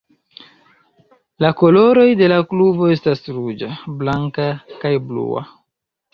La koloroj de la klubo estas ruĝa, blanka, kaj blua.